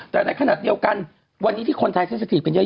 แต่ในขณะเดียวกันวันนี้ที่คนไทยใช้สถีบกันเยอะ